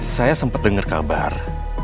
saya sempat dengar kabar